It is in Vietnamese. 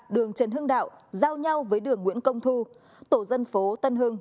đường trần hưng đạo giao nhau với đường nguyễn công thu tổ dân phố tân hưng